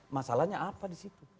masalahnya apa disitu